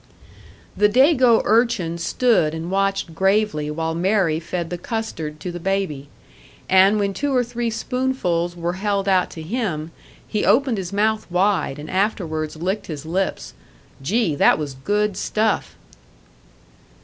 The Dago urchin stood and watched gravely while Mary fed the custard to the baby; and when two or three spoonfuls were held out to him, he opened his mouth wide, and afterwards licked his lips. Gee, that was good stuff!